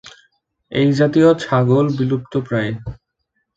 এই জাতীয় ছাগল বিলুপ্তপ্রায়।